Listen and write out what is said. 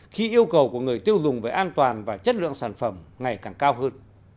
khi yêu cầu của người tiêu dùng về an toàn và chất lượng sản phẩm ngày càng cao hơn